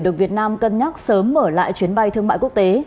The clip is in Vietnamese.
được việt nam cân nhắc sớm mở lại chuyến bay thương mại quốc tế